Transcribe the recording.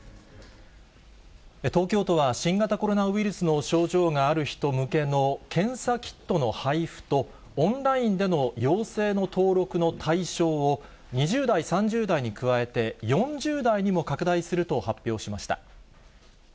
東京都は、新型コロナウイルスの症状がある人向けの検査キットの配付と、オンラインでの陽性の登録の対象を、２０代、３０代に加えて４０代にも拡大すると発表しました。